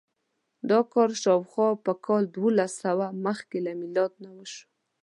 دا کار شاوخوا په کال دوولسسوه مخکې له میلاد نه وشو.